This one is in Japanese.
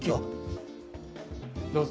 どうぞ。